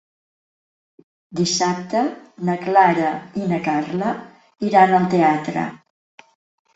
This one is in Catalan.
Dissabte na Clara i na Carla iran al teatre.